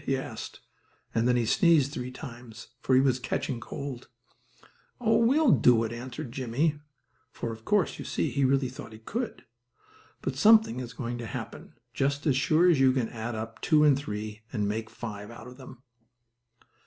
he asked, and then he sneezed three times, for he was catching cold. "Oh, we will do it," answered Jimmie, for, of course, you see, he really thought he could. But something is going to happen, just as sure as you can add up two and three and make five out of them.